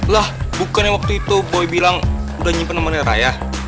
lah bukannya waktu itu boy bilang udah nyimpan temannya raya